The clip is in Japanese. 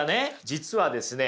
実はですね